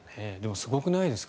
すごくないですか。